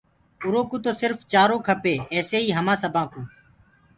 اُروُ سرڦ چآرو کپي ايسيئيٚ همآن سبآن ڪي